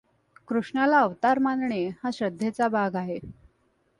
कृष्णाला अवतार मानणे हा श्रद्धेचा भाग आहे.